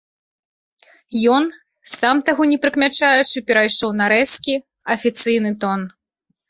Ён, сам таго не прыкмячаючы, перайшоў на рэзкі, афіцыйны тон.